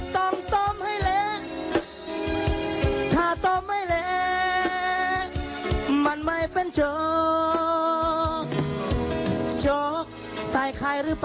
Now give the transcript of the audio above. ต้องต้มให้เล่ถ้าต้มให้เล่มันไม่เป็นโจ๊ก